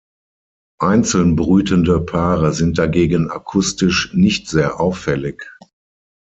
Einzeln brütende Paare sind dagegen akustisch nicht sehr auffällig.